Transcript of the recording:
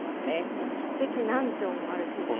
もう一石何鳥もある手ですね。